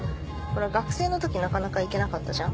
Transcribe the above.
学生の時なかなか行けなかったじゃん？